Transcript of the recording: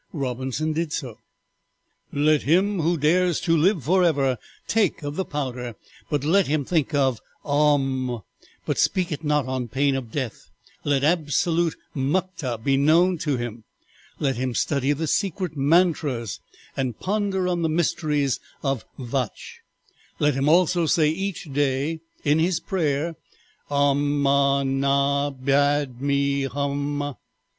Robinson did so. "'Let him who dares to live forever take of the powder, but let him think of "Aum;" but speak it not on pain of death; let absolute "muckta" be known to him; let him study the secret "mantras," and ponder on the mysteries of "Vach;" let him also say each day in his prayer "Aum ma ni pad me hum."